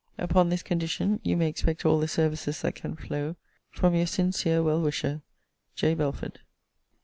Upon this condition, you may expect all the services that can flow from Your sincere well wisher, J. BELFORD.